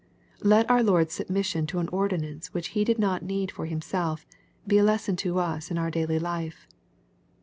Let our Lord's submission to an ordinance which He did not need for Himself, be a lesson to us in our daily life.